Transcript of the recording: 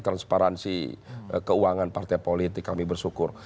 transparansi keuangan partai politik kami bersyukur